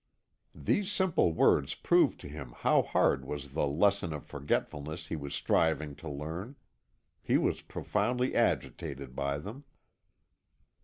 These simple words proved to him how hard was the lesson of forgetfulness he was striving to learn; he was profoundly agitated by them.